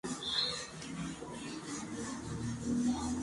Catedrático de Universidad.